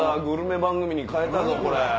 グルメ番組に変えたぞこれ。